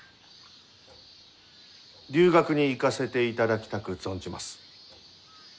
留学に行かせていただきたく存じます。